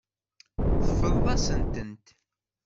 Teffreḍ-asen-tent.